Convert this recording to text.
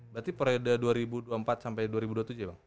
berarti periode dua ribu dua puluh empat sampai dua ribu dua puluh tujuh ya bang